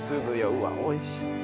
うわおいしそう。